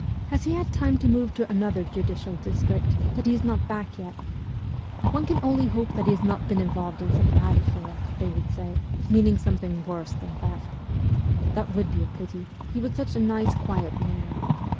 ' Has he had time to move to another judicial district, that he is not yet back? One can only hope that he has not been involved in some bad affair,' they would say, meaning something worse than theft. ' That would be a pity : he was such a nice, quiet man.'